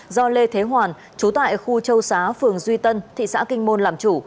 do lê thế hoàn chú tại khu châu xá phường duy tân thị xã kinh môn làm chủ